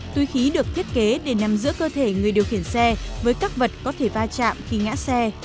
túi khí được thiết kế để nằm giữa cơ thể người điều khiển xe với các vật có thể va chạm khi ngã xe